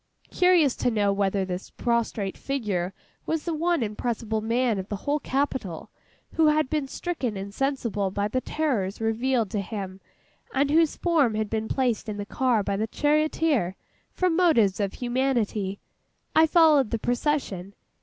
Curious to know whether this prostrate figure was the one impressible man of the whole capital who had been stricken insensible by the terrors revealed to him, and whose form had been placed in the car by the charioteer, from motives of humanity, I followed the procession.